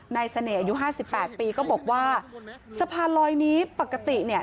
นายเสน่ห์อายุ๕๘ปีก็บอกว่าสะพานลอยนี้ปกติเนี่ย